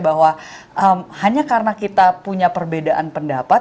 bahwa hanya karena kita punya perbedaan pendapat